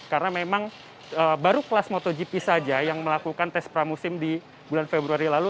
karena memang baru kelas motogp saja yang melakukan tes pramusim di bulan februari lalu